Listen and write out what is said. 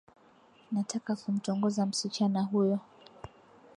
Nataka kumtongoza msichana huyo